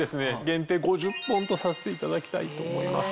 限定５０本とさせていただきたいと思います。